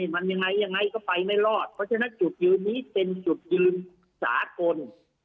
มันยังไงยังไงก็ไปไม่รอดเพราะฉะนั้นจุดยืนนี้เป็นจุดยืนสากล